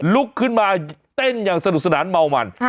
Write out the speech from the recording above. ลุกขึ้นมาเต้นอย่างสนุกสนานเมามัน